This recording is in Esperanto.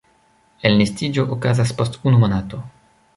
Elnestiĝo okazas post unu monato.